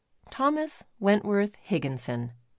Thomas Wentworth Higgixson.